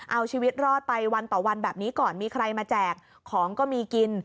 เอาชีวิตรอดไปวันต่อวันแบบนี้ก่อนมีใครมาแจกของก็มีกิน